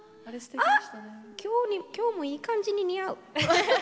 今日もいい感じに似合う。